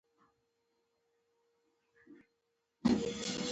زه له تاسره مينه لرم